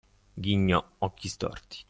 ghignò Occhistorti.